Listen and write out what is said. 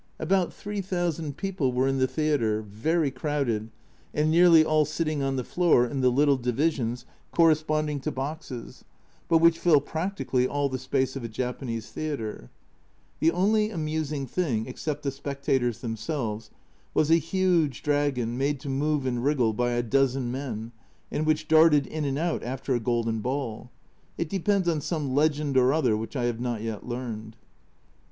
About 3000 people were in the theatre, very crowded, and nearly all sitting on the floor in the little divisions correspond ing to boxes, but which fill practically all the space of 58 A Journal from Japan a Japanese theatre. The only amusing thing except the spectators themselves was a huge dragon made to move and wriggle by a dozen men, and which darted in and out after a golden ball it depends on some legend or other which I have not yet learned.